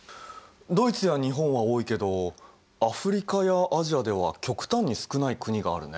ドイツや日本は多いけどアフリカやアジアでは極端に少ない国があるね。